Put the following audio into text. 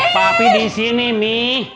papi disini mi